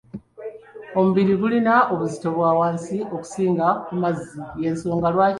Omubiri gulina obuzito bwa wansi okusinga ku mazzi y'ensonga lwaki gudda kungulu.